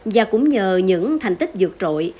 và cũng nhờ những thành tích dược trội